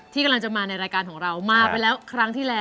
กำลังจะมาในรายการของเรามาไปแล้วครั้งที่แล้ว